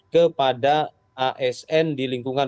kepada asn di lingkungan